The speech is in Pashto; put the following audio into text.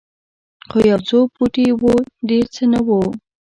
خو یو څو پوټي وو ډېر څه نه وو.